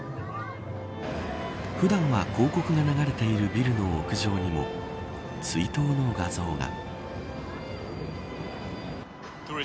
普段は広告が流れているビルの屋上にも追悼の画像が。